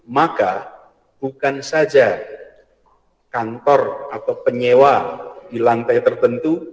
maka bukan saja kantor atau penyewa di lantai tertentu